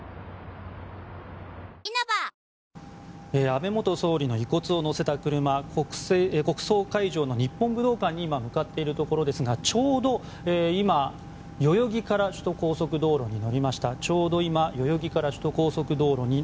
安倍元総理の遺骨を乗せた車国葬会場の日本武道館に今、向かっているところですがちょうど今、代々木から首都高速道路に乗りました。